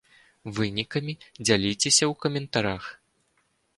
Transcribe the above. Вынікамі дзяліцеся ў каментарах!